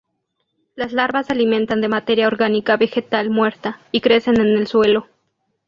Las larvas se alimentan de materia orgánica vegetal muerta y crecen en el suelo.